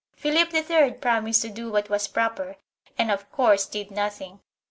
Philip III promised to do what was proper and of course did nothing.